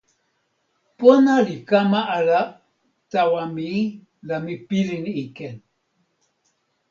pona li kama ala tawa mi la mi pilin ike.